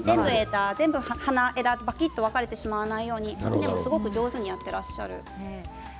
花と枝が、ぱきっと分かれてしまわないようにでも上手にやってらっしゃる。